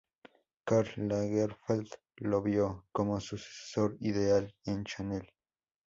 Karl Lagerfeld lo vio como su sucesor ideal en Chanel.